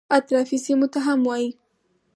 اطرافي سیمو ته هم وایي.